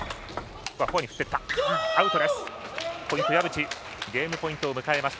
アウトです。